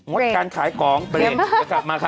งดการขายกลองเดี๋ยวมากลับมาค่ะ